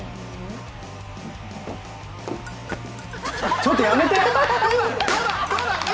ちょっとやめて！